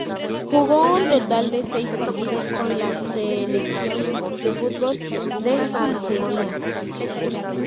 Jugó un total de seis partidos con la selección de fútbol de Argelia.